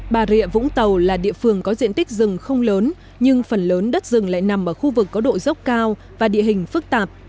bà rịa vũng tàu là địa phương có diện tích rừng không lớn nhưng phần lớn đất rừng lại nằm ở khu vực có độ dốc cao và địa hình phức tạp